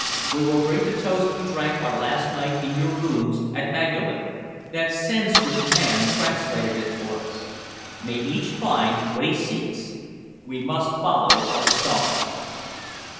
We will drink the toast we drank our last night in your rooms at Magdalen. That Sanscrit man translated it for us: 'May each find what he seeks!' We must follow our star."